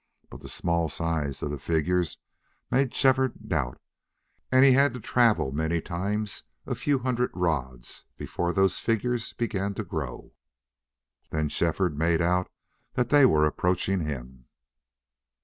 But the small size of the figures made Shefford doubt; and he had to travel many times a few hundred rods before those figures began to grow. Then Shefford made out that they were approaching him.